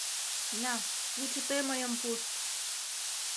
— На, лучо тый мыйым пушт.